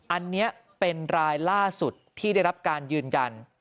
อันนี้เป็นรายล่าสุดที่ได้รับการยืนยัน